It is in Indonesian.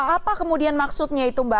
apa kemudian maksudnya itu mbak